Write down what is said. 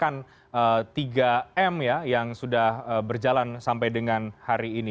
dan juga melaksanakan tiga m yang sudah berjalan sampai dengan hari ini